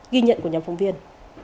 ghi nhận của nhóm phóng viên